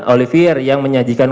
olivier yang menyajikan